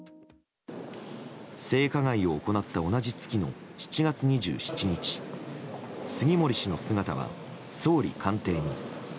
性加害を行った同じ月の７月２７日杉森氏の姿は総理官邸に。